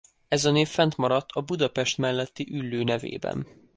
Ez a név fennmaradt a Budapest melletti Üllő nevében.